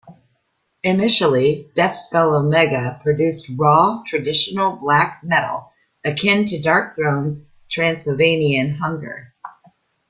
Initially, Deathspell Omega produced raw, traditional black metal akin to Darkthrone's "Transilvanian Hunger".